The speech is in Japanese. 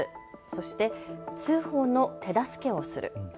そして通報の手助けをする。